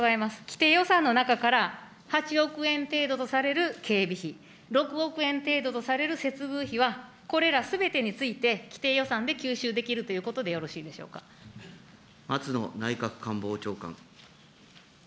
既定予算の中から８億円程度とされる警備費、６億円程度とされる接遇費は、これらすべてについて、既定予算で吸収できるということ松野内閣官房長官。